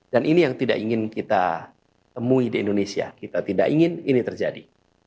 dan ini yang tidak ingin kita temui di indonesia kita tidak ingin ini terjadi